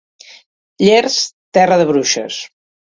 Llers, terra de bruixes.